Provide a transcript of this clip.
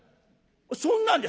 「そんなんで」。